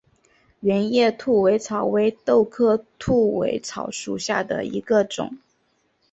圆叶兔尾草为豆科兔尾草属下的一个种。